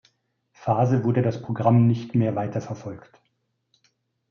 Phase wurde das Programm nicht mehr weiterverfolgt.